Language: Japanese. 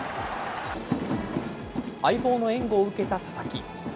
相棒の援護を受けた佐々木。